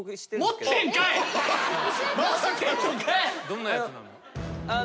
どんなやつなの？